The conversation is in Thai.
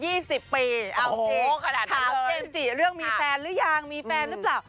โอ้โหขนาดนั้นเลยถามเจมส์จิเรื่องมีแฟนหรือยังมีแฟนหรือเปล่า